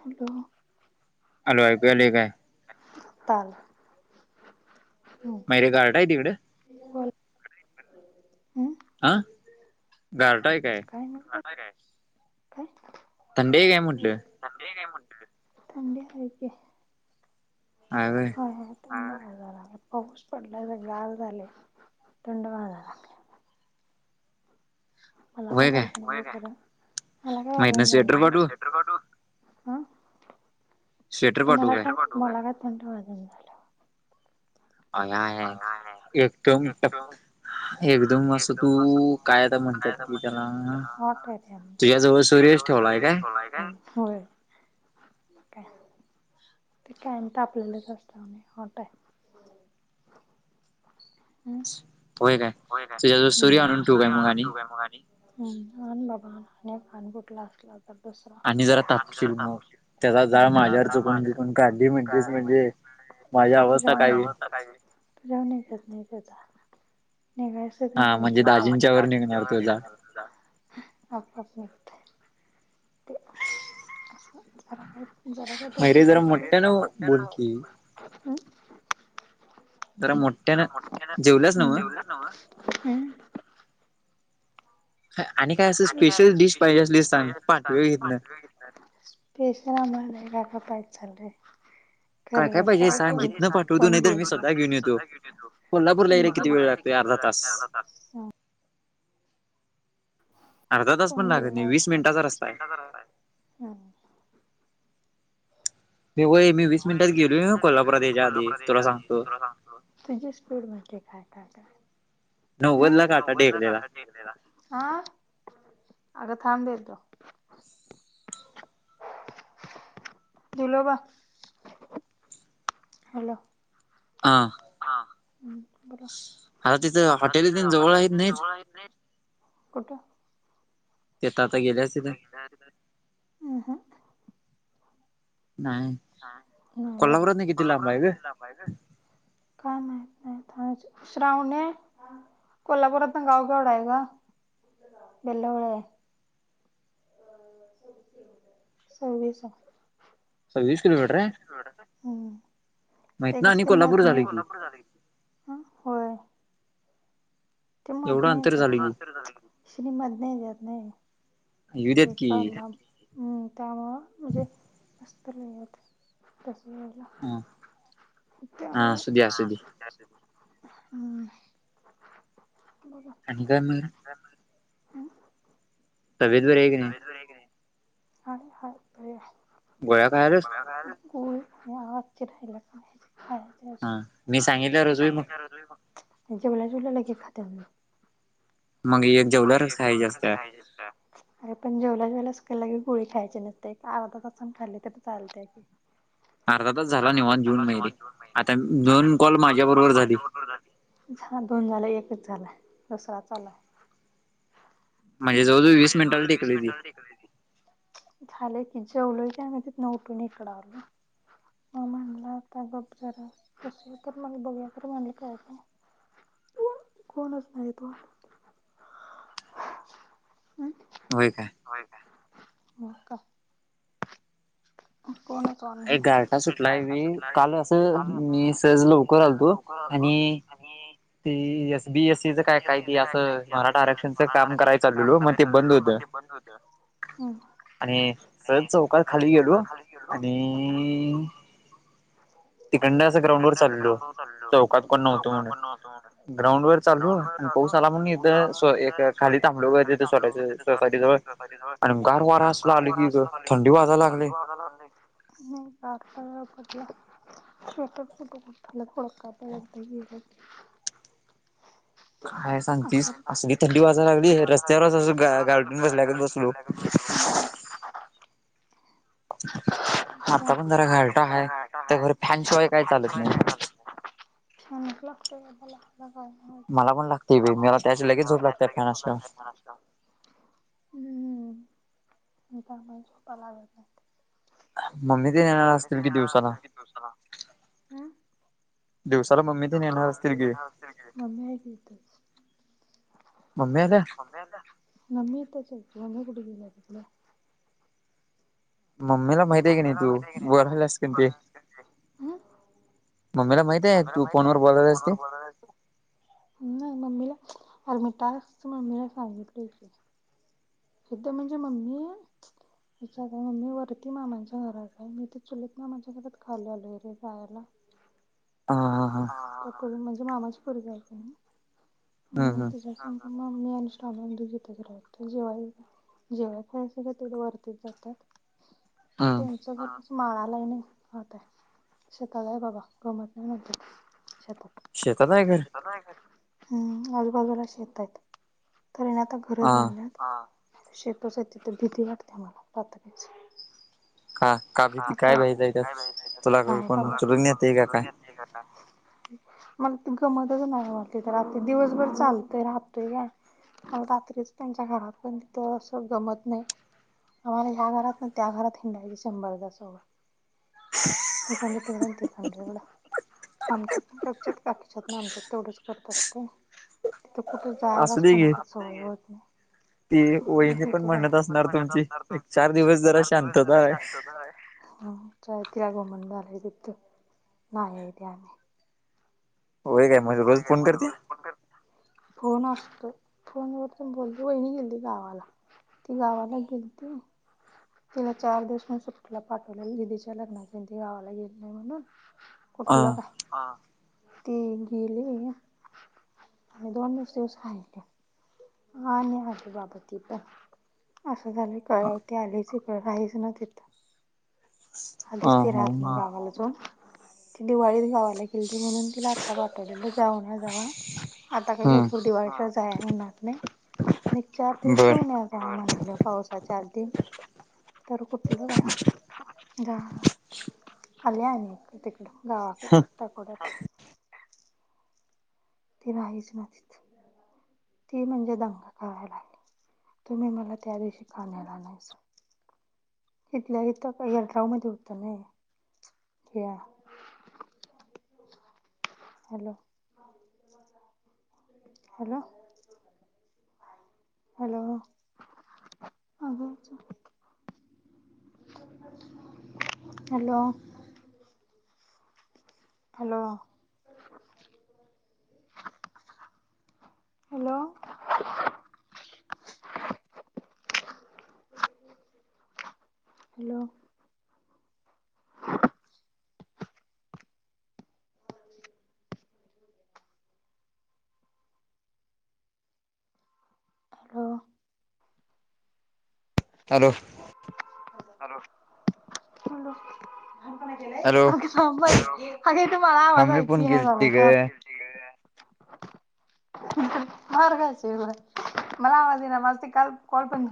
Hello hello ऐकू यालय काय? ताल मैरे गारठा हाय तिकडं? ह हं गारठा हाय काय? थंडी आहे काय म्हटलं [unintelligible] थंडी आहे की आम्ही व्हय होय होय थंड वाजायला लागले पाऊस पडलाय बग गार झालय थंड वाजालागल्या. मला काय वाजणं झाल्या होय काय मला काय मग हितन वाजना स्वेटर झाल्या मग काय पाठवू स्वेटर घालू? हा स्वेटर तर पाठवू मला काय मुळग थंड वाजून झालं अ एकट एकदम एकदम असं तू काय आता म्हणतात कि त्याला हॉट आहे ते आम्ही तुझ्या जवळ सोरी [unintelligible] [inaudible] ते कायम तर आपल्यालाच अस्त हटय होय तुझ्याजवळ सूर्य आणून ठेवू काय कायरी मग आणून आणि ठेऊ काय मगा आणि हम्म अन बाबा अक अन कुठला असला तर दुसरा आणि जरा तापशील मग त्याचा जाळ तापशील त्याला माझ्यावर जरा चुकून चुिकून काढली म्हणजेच म्हणजे माझी त तूऊ तू अवस्था काय होईल [inaudible] जऊनत नाही करता [inaudible] निघात आप [inaudible] हा म्हणजे दाजींच्या वर निघणार दाजींच्यावर तो जाळ निघणार तो जाळ ते अस [inaudible] जराठ मग [inaudible] रे जरा मोठ्यानं बोल की जरा मोठ्यान जेवल्यायांस नव्ह हम् आणि असं आणि काय स्पेशल अस डिश पाहिजे स्पेशल असली सांग पाहिज ते सांग पाठवे इथनं. आणतो इथने स्पेशल [inaudible] खपय ल रे काय काय खरं [inaudible] पाहिजे सांग इथनं पाठवतो नाही तर मी स्वतः घेऊन येतो. कोल्हापूरला यायला किती वेळ लागतोय अर्धा [unintelligible] ळ तास. लाग आ [inaudible] अर्धा तास पण कोण लागत नाही देणार वीस मिनिटाचा रस्ता आहे. [inaudible] मी व्हय मी वीस मिनिटात गेलोय गेलो कोल्हापुरात यायच्या आधी कोल्हापुरात तुला येयच्या आधी सांगतो त सांगो तुझी स्पीड म्ह काय काय काय हम् नव्वदला काटा नव्वद ला टेकलेला. काठा ठेकलेला ह अगं थांब देतो दिलो बघ हॅलो हा ह् बोला आता तिथं हॉटेल तेन अ जवळ हॉटेल आहेत नाहीत जवळ आहेत तिथं आता गेल्यास तिथं हम् हम नाही. कोल्हापुरातनं किती लांब आहे कोल्हापुरातन ग किती लांब आहे ग? काय माहित? श्रावणे कोल्हापुरातून गाव केवढा आहे का बेलावळ सवीस सव्वीस किलोमीटर आहे हम्म मग ते हितन कस आणि ते कोल्हापूर म्हापू झालं की. [unintelligible] ह होय ते मत एवढं नाही य अंतर त्या झालं की श्रीमत नाही जात नाही येऊ देत ते कर की. हम् त्यामुळं म्हणजे ब [inaudible] ह हा त्यामुळे असू दे असू दे हम्म आणिन [inaudible] हम् तब्येत बरी आहे का नाही हाय बरी हाय गोळ्या खायलाच? आवाज चिराला का खायचे हा अजून. मी हा सांगितलं मी रोज व्हय मग सांगितलं रोजवी जेवल्या जेवल्या लगेच खाते मग एक अरे जेवल्यावरच खायची जेवलीस असत्या काय अरे पण जेवायला [inaudible] जेवल्या जेवला गोळी खायची नसते अर्धा तासन खाल्ली तर चालते ह अर्धा तास झाला अर्धा तास निवांत झाला जेऊन बाहेर ये जेवून माहिती आता दोन कॉल माझ्या बरोबर झाली माझ्या बरोबर ह दोन झाले एकच झालंय दुसरा चालाय म्हणजे जवळजवळ वीस मिनटाला टेकलिस की मिनिटाला टिकले ती. झाले की जेवलोय की आणि म तिथन उठून इकड आलोय म म्हणलाता गप जरा त तर मला बघ्या तर म्हणालं काय काय [unintelligible] कोण नाही आहे तो... होय काय.. हो का? कोणच ऑन नाही. एक गारटा अरे सुटलाय गारठा मी सुटला काल आणि असं काल मी असा सहज लवकर सहज आलतो लवकर आलतो आणि.. आणि... ते बी एस. सीच काय सी ते काय काय असं जीर मराठा काम कराय आरक्षणच काम चाललेलो मग ते करायचंल बंद मग होतं ते... बंद होते. आणि सहज चौकात खाली.. हो गेलो खाली गेलो.. आणि.. आणि ह... तिकंड असं ग्राउंड वर दंड असं चाललो ग्राउंड वर चाललेलो चौकात कोण नव्हतो चौकात कोण नव्हतं म्हणून ग्राउंड वर चालो ग्राउंड वर आणि चालू पाऊस आला पाऊस आला म्हणून एक इथं स्व- खाली एक थांबलो खाली ग थांबलो होतो तिथे सोसायटी जवळ सोसायटीजवळ आणि गार वारा आणि असला.. गार आला वारा की असला आली की थंडी वाजायला.. थंडी लागले वाजायला लागली.. [unintelligible] [unintelligible] काय असं सांगतेस काय असली सांगतेस थंडी वाजाय असली लागली थंडी वाजायला रस्त्यावरच अस लागली रस्त्यावर असं गारठून गा- बसल्या गार्डन बसलो.. बसल्या का बसलो हम्म. [unintelligible] [unintelligible] आता पण जरा त्या आता गारठा पण जरा आहे गारठा आहे त्यात फॅनशिवाय काही चालत नाही.. फॅनच लागत बाबाला. काय नवंच मला पण लागते मला बाई पण त्याची लगेच झोप लातेय लागते फॅन लगेच झोप लागती असल्यावर फॅन असल्याच.. हम्म त्यामुळे झोपा लागत नाहीत... मम्मी ते येणार असतील कि येणार दिवसाला... असतील की दिवसाला हं दिवसाला मम्मी ते दिवसाला येणार मम्मी असतील तेन की येणार असतील की मम्मी हाय की तिथंच.. मम्मी आल्या मम्मी येत नाही मम्मी इथच हाय की मम्मी कुठ गेलीय.. हॅलो... मम्मीला माहित आहे की मम्मी नाही ला तू माहिती आहे की बोलायलास की ते नाही... मम्मीला माहित आहे मम्मीला तू माहित नाही फोनवर बोलायलास फोनवर ते.. बोलायलास ते नाही मम्मीला अरे मी टास्कच मम्मीला सांगितलं की... इथ म्हणजे मम्मी आहे... विच्यात आहे मम्मी वरती मामांच्या घरात आहे मी ते चुलत मामांच्या घरात खाली आलोय रे झोपायला.. [unintelligible] ह इकडून म्हणजे मामाची पोरगी आली हम्म ना हम्म तिच्या संग म मी अनुष्का दोघी इथच राहतोय जेवायला खायला सगळंच वरतीच जातात.. हम्म त्यांचं.. माळाला आहे नाही आता आहे शेतात आहे बाबा गमत नाही म्हण.. शेतात शेतात आहे घर शेतात हाय घर हम आजूबाजूला शेत आहेत.. तरी आता घर हा झाल्यात.. शेतच आहे तिथे भीती वाटते मला रात्रीची.. का का हा भीती भ्यायचंय काय त्यात तुला पण का.. कोण उचलून नेतय का काय मला गमतच नाही वाटते तर आ्री दिवसभर चालतय राहतोय का... रात्रीच त्यांच्या घरात पण तिथं अस गमत नाही... आम्हाला ह्या घरात ना त्या घरात हिंडायची शंभर द सवय.. हल त त खणळा आमच्यातनं त्यांच्यात त्यांच्यातनं आमच्यात एवढेच करत असते. तू असू जायलाच दे घे कुणाच्या सवय होत नाही.. ती मग आम्ही वहिणी पण इथं म्हणत बघा पण असणार म्हणत तुमची असणार एक चार दिवस जरा शांतता आहे.. हम् चायती आगो म्हणंदलो ना माहेरी आली होय काय म रोज फोन करते रोज फोन कर फोन असतो फोन व बोल वहिनी गेली गावाला ती गावाला गेलती तिला चार दिवस म सुट्टीला पाठवलं दिदीच्या लग्नाच्या त गावाला गेले नाही म्हणून हा कुठलं काय ते गेले आणि दोनच दिवस राहिली हा आणि आले बाबा त पण असं झालं कळवते आलेच राहीच ना तिथं आधीच हा ते हो राहत नाग गावाला तून ती दिवाळीत गावाला गेली म्हणून तिला आत्ता पाठवलेलं जाऊन या जावा आता काही लोकर हम्म द आणि चार दिवस बर जाऊन या जावा पावसाच्या आधी तर कुठल काय झा आले गावाकड ती राहीच ना ती म्हणजे दंगा करायला लागली तुम्ही मला त्या दिवशी खण्याला आणायच इथल्या इथ यड्राव मध्ये होतं ना त्या [inaudible] hello hello hello hello hello hello [inaudible] hello hello hello hello hello अपल अगे तू मला आ माझं मम्मी फोन ऐकू नाही झालाय केलती ग का [inaudible] मार खाशील बघ मला आवाजे ना मस् का कॉल पण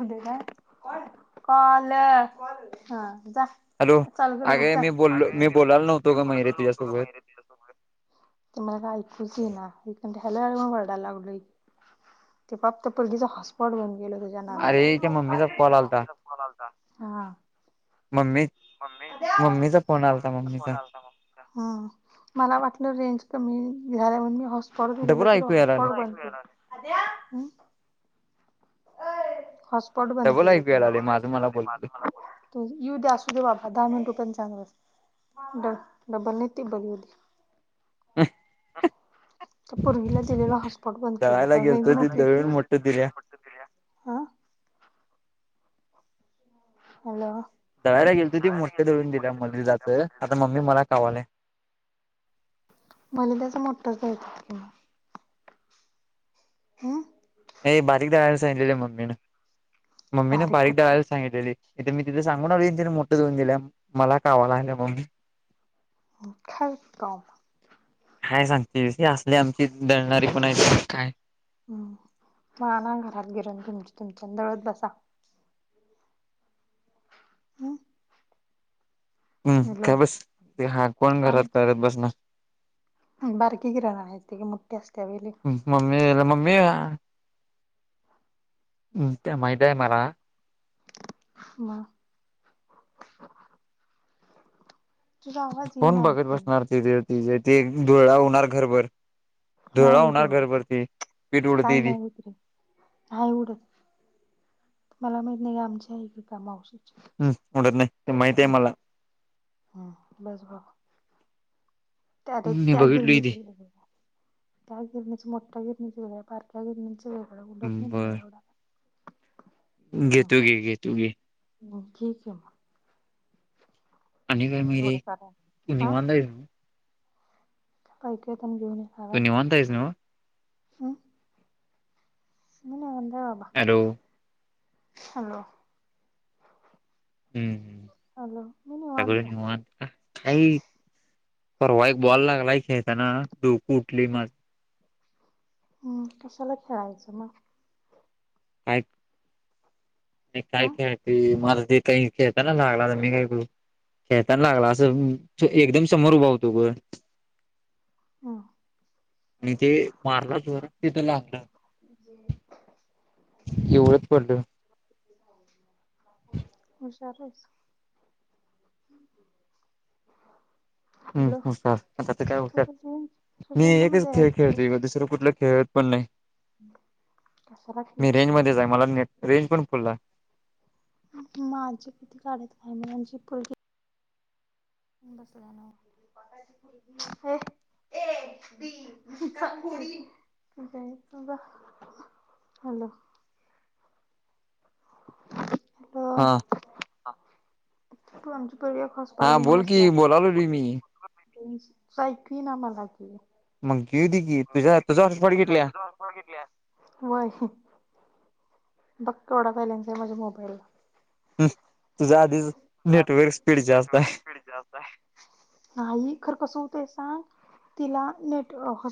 कॉल हा जा हॅलो चालू म अगे मी जाग बोललो मी ब बोलायला नव्हतो मी ग बोलत मयुरी नव्हो का तुझ्यासोबत मा दिस ते मला का ऐकूच ये ना हेक हॅलो हॅलो मनू ओरडायला लागले ते फक्त पोरगीचा हॉटस्पॉटचा आणि तिच्या अरे त्या मम्मीचा कॉल आलता मम्मीचा फोन आलता मम्मी मम्मी मम्मीचा फोन आलता मम्मीचा मला वाटलं रेंज कमी झाल्या म्हण मी हॉसपॉट दिलेलं डबल तरी ऐकू यायला आले हॉसपॉट बनते अय, [unintelligible] [unintelligible] [unintelligible] डबल ऐकू यायला आले माझं मला बोलले डब्बल नाही तिब्बल येऊ द्या. त्या पोरगीला दिलेला [unintelligible] हॉटस्पॉट बंद केलो दळायला कारण रेंज गेलतो त नसली की दळून मोठ हा [unintelligible] दळायला गेलतो ते नळायला मोठ गेलतो ती दळून मोटर घेऊन दिलं दिल्या जातं मध्ये आता मम्मी जातलं मला कावाले. मला त्याच मोठंच द्यायचं होतं. हम हे बारीक दळायला सांगितलेलं मम्मीनं. मम्मीनं बारीक दळायला सांगितलेत. इथे मी तिथं सांगून आलोय तिने मोठं दळून दिलय मला कावाय लागल्या मम्मी. [unintelligible] काय सांगतेस? ही आमची दळणारी पण आहेत ना. काय? हम्, मग आना घरात गिरण तुमची, तुमची न दळत बसा. [unintelligible] हम्म, हॅलो काय बस. ते हा कोण आण घरात करत बसायचं. बारकी गिरण हाय ती मोठी असत्यावेळी [unintelligible] हम्, ते माहितीये मला. म [unintelligible] कोण बघत ऐकून बसणार तिथे तिज ते धुरळा होणार घरभर. नाही धुरळा होत होणार एवढं घरभर ती पीठ उडती ती. नाय उडत, मला माहित नाय आमची हाय की कामावरी. हम्म, उडत नाही ते माहितीय मला. डायरेक्ट मी त्या बघितली गिरणीत ती गेलं पाहिजे. त्या गिरणीत मोठ त्या गिरणीचा वेगळं, बारक्या गिरणीच वेगळं, उडत नाही धुरळा बर एवढा. घेतो की, घेतो की. मग ठीक आहे मग. आणि वेळ तेवढं मिळली करा निवांत आहे जणू. काय काय येताना घेऊन तू येणारे. निवांत आहेस ना अ. [unintelligible] हॅलो. हॅलो. हम्म हम् हॅलो मी सगळी आहे निवांत. आई परवा एक बॉल लागलाय खेळताना डोक उठलय माझं. हम्म, कशाला खेळायचं मग. [unintelligible] मी काय हम्म खेळती मला देताना नी खेळता ना लागला मी काय करू? खेताना लागला असं एकदम समोर उभा होतो ग ह आणि ते मारलं जोरात तिथं लागलं. हम् एवढंच पडलं [unintelligible] [inaudible] [unintelligible] हम्, हुशार आता ते काय हुशार रेंज मी रेंज एकच मध्ये खेळ राहायची तू खेळतोय ग, दुसरं कुठला खे कशाला मी रेंज खेळशील मध्येच आहे मला नट रेंज पण फु माझी किती काढत काय [unintelligible] बसला ना [unintelligible] [inaudible] जा [unintelligible] हॅलो. हॅलो हा तू आमच्या हा बोल की बोलायला लागले मी ऐकू येत नाही मला की मग घेऊ दे की तुझ्या तुझा हॉटस्पॉट घेतल्या होय बघ केवढा बॅलेन्स आहेमाझ्या मोबाईलला तुझा आधीच नेटवर्क स्पीड जास्त स्पीड नाही खरं कसं होतंय सांग सांग तिला नीट